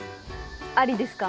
ありですか？